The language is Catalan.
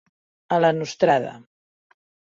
A la nostrada.